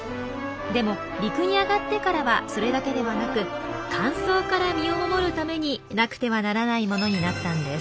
でも陸に上がってからはそれだけではなく乾燥から身を守るためになくてはならないものになったんです。